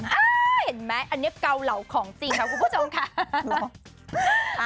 เห็นไหมอันนี้เกาเหลาของจริงค่ะคุณผู้ชมค่ะ